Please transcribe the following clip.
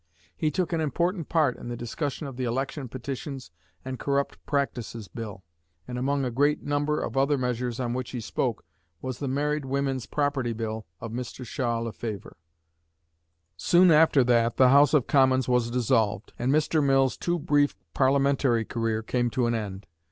He took an important part in the discussion of the Election Petitions and Corrupt Practices Bill; and among a great number of other measures on which he spoke was the Married Women's Property Bill of Mr. Shaw Lefevre. Soon after that the House of Commons was dissolved, and Mr. Mill's too brief parliamentary career came to an end.